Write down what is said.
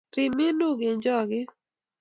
Rip minuk eng choket